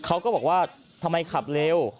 เขาก็บอกว่าทำไมขับเร็ว